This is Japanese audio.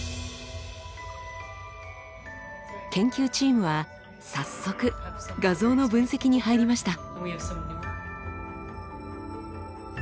研究チームは早速画像の分析に入りました。